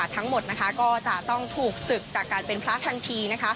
ทั้งหมดก็จะต้องถูกศึกจากการเป็นพระทันที